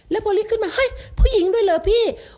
แล้วพอเรียกขึ้นมาเฮ้ยผู้หญิงด้วยเหรอพี่